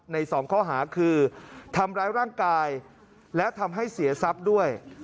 สองข้อหาคือทำร้ายร่างกายและทำให้เสียทรัพย์ด้วย